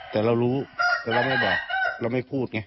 แต่ตอนนี้เราไม่ใช่แล้ว